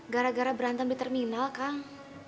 gara gara berantem di terminal kang